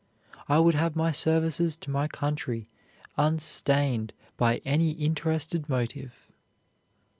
I would have my services to my country unstained by any interested motive.